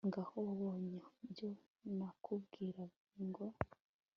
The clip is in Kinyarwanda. Ngaho wabonyeibyo nakubwirago